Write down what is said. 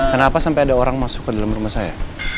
kenapa sampai ada orang masuk ke dalam rumah saya